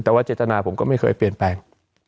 แต่ว่าเจตนาผมก็ไม่เคยเปลี่ยนแปลง